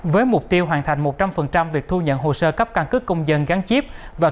với mục tiêu hoàn thành một trăm linh việc thu nhận hồ sơ cấp căn cứ công dân gắn chip và